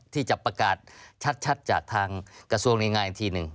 ที่จะประกาศชัดจากทางกระทรวงในงานอีกทีหนึ่ง